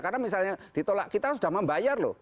karena misalnya ditolak kita sudah membayar loh